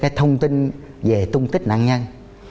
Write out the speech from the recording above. cái thông tin về tung tích nạn nhân